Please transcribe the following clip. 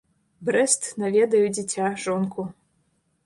Брэст, наведаю дзіця, жонку.